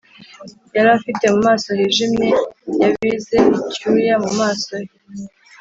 yari afite mu maso hijimye, yabize icyuya mu maso he